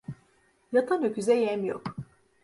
Yatan öküze yem yok.